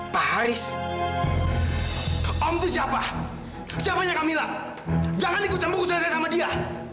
pak haris om itu siapa siapanya kamila jangan ikut cembuk cembuk saya sama dia